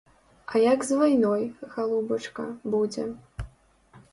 А як з вайной, галубачка, будзе?